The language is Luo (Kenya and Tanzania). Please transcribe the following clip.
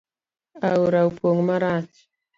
Aora opong marach.